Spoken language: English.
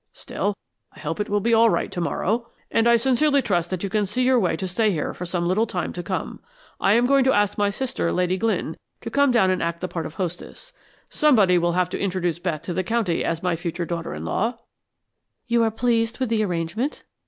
Still, I hope it will be all right to morrow, and I sincerely trust that you can see your way to stay here for some little time to come. I am going to ask my sister, Lady Glynn, to come down and act the part of hostess. Somebody will have to introduce Beth to the county as my future daughter in law." "You are pleased with the arrangement?"